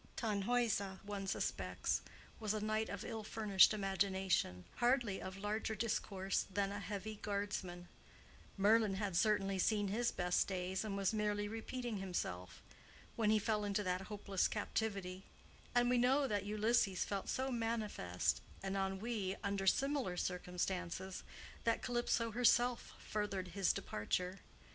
Tannhäuser, one suspects, was a knight of ill furnished imagination, hardly of larger discourse than a heavy Guardsman; Merlin had certainly seen his best days, and was merely repeating himself, when he fell into that hopeless captivity; and we know that Ulysses felt so manifest an ennui under similar circumstances that Calypso herself furthered his departure.